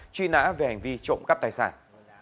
truy nã về hành vi trộm cắp tài sản